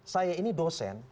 saya ini dosen